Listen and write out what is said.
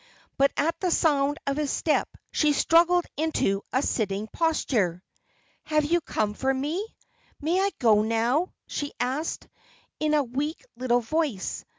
But at the sound of his step, she struggled into a sitting posture. "Have you come for me? May I go, now?" she asked, in a weak little voice.